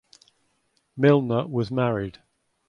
Milner was married.